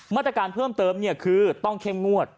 มาตรการเพิ่มเติมคือต้องเข้มงวด